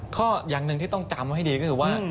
อย่างหนึ่งที่ต้องจำให้ดีก็คือว่า